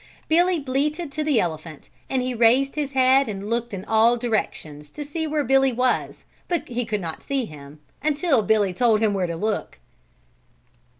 Billy bleated to the elephant and he raised his head and looked in all directions to see where Billy was but he could not see him, until Billy told him where to look.